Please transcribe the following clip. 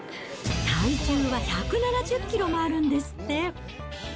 体重は１７０キロもあるんですって。